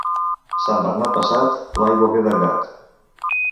Sant Bernat passat, l'aigua ve de grat.